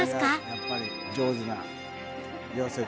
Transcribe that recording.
やっぱり上手な溶接。